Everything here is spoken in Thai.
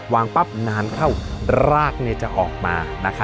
วางปั๊บนานเข้ารากเนี้ยจะออกมานะคะ